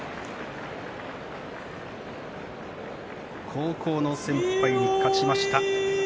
高校の先輩に勝ちました。